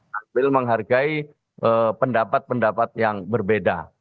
sambil menghargai pendapat pendapat yang berbeda